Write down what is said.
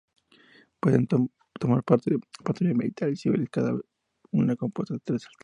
Pueden tomar parte patrullas militares y civiles, cada una compuesta de tres atletas.